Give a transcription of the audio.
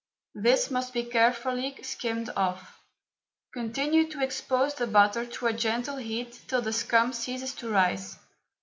This must be carefully skimmed off. Continue to expose the butter to a gentle heat till the scum ceases to rise.